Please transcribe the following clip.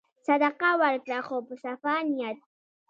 صدقه ورکړه خو په صفا نیت.